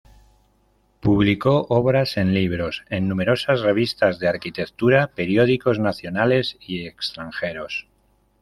Publicó obras en libros, en numerosas revistas de arquitectura, periódicos nacionales y extranjeros.